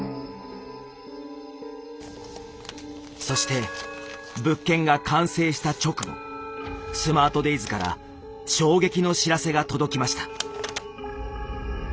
そして物件が完成した直後スマートデイズから衝撃の知らせが届きました。